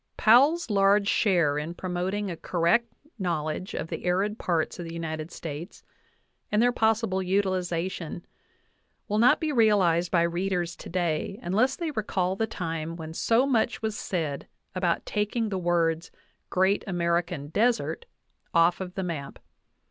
Powell's large share in promoting a correct knowledge of the arid parts of the United States and their possible utiliza tion will not be realized by readers today unless they recall the time when so much was said about taking the words "Great American Desert" off of the map.